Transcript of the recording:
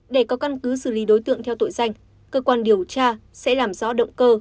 để có căn cứ xử lý đối tượng theo tội danh cơ quan điều tra sẽ làm rõ động cơ